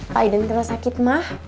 pak idan kena sakit mah